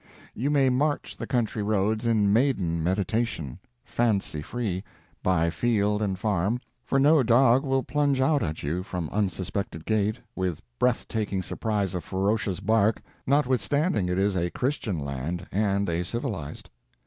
You may march the country roads in maiden meditation, fancy free, by field and farm, for no dog will plunge out at you from unsuspected gate, with breath taking surprise of ferocious bark, notwithstanding it is a Christian land and a civilized.